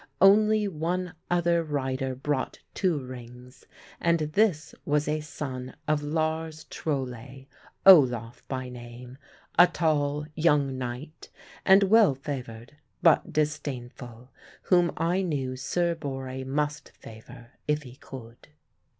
Only one other rider brought two rings, and this was a son of Lars Trolle, Olaf by name, a tall young knight, and well favoured, but disdainful; whom I knew Sir Borre must favour if he could.